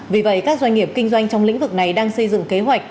vì vậy các doanh nghiệp kinh doanh trong lĩnh vực này đang xây dựng kế hoạch